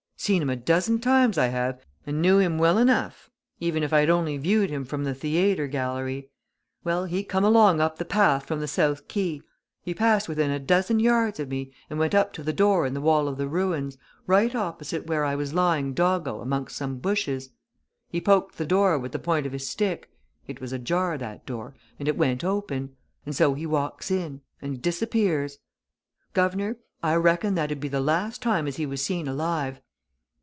"Seen him a dozen times, I have, and knew him well enough, even if I'd only viewed him from the the ayter gallery. Well, he come along up the path from the south quay. He passed within a dozen yards of me, and went up to the door in the wall of the ruins, right opposite where I was lying doggo amongst some bushes. He poked the door with the point of his stick it was ajar, that door, and it went open. And so he walks in and disappears. Guv'nor! I reckon that'ud be the last time as he was seen alive!